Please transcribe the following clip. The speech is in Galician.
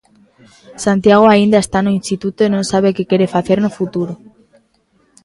Santiago aínda está no instituto e non sabe que quere facer no futuro.